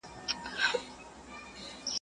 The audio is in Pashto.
چاړه چي د زرو سي، بيا ئې هم څوک په نس نه چخي.